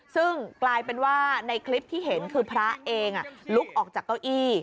ซึ่งกลายเป็นว่าในคลิปที่เห็นคือพระเองลุกออกจากเก้าอี้